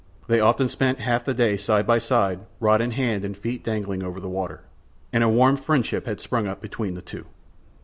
They often spent half the day side by side, rod in hand and feet dangling over the water, and a warm friendship had sprung up between the two.